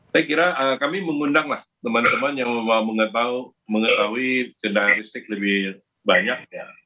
saya kira kami mengundang lah teman teman yang mau mengetahui kendaraan listrik lebih banyak